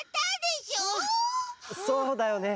そうだよね。